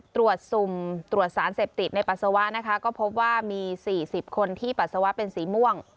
สุ่มตรวจสารเสพติดในปัสสาวะนะคะก็พบว่ามี๔๐คนที่ปัสสาวะเป็นสีม่วง